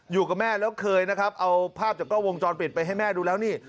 อยู่กับแม่แล้วเคยนะครับเอาภาพจากกล้องวงจรปิดไปให้แม่ดูแล้วนี่